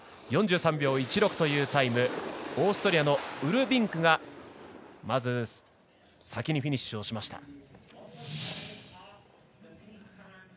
４３秒１６というタイムでオーストリアのウルビングがまず先にフィニッシュしました。